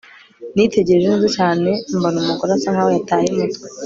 nitegereje neza cyane mbona umugore asa nkaho yataye umutwe